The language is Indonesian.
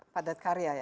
padat karya ya